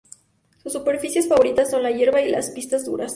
Sus superficies favoritas son la hierba y las pistas duras.